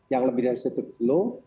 yang lebih dari satu kilo